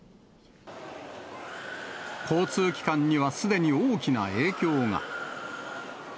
交通機関にはすでに大きな影響が。